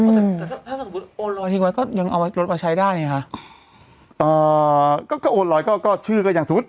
แต่ถ้าถ้าสมมุติโอนรอยทิ้งไว้ก็ยังเอามาลดมาใช้ได้ไงคะเอ่อก็ก็โอนรอยก็ก็ชื่อก็อย่างสมมุติ